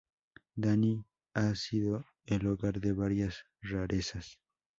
Danny ha sido el hogar de varias rarezas.